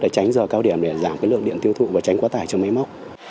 để tránh giờ cao điểm để giảm cái lượng điện tiêu thụ và tránh quá tải cho mấy mốc